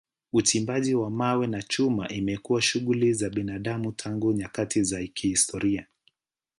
Uchimbaji wa mawe na chuma imekuwa shughuli za binadamu tangu nyakati za kihistoria.